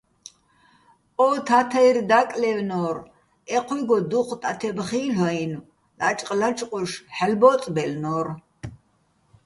ო თათაჲრი̆ დაკლაჲვნო́რ, ეჴუჲგო დუჴ ტათებ ხილ'ო-აჲნო̆, ლაჭყ-ლაჭყუშ ჰ̦ალო̆ ბო́წბაჲლნო́რ.